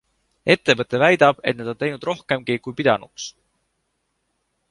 Ettevõte väidab, et nad on teinud rohkemgi, kui pidanuks.